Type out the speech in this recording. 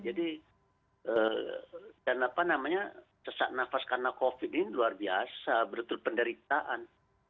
jadi sesak nafas karena covid ini luar biasa betul penderitaan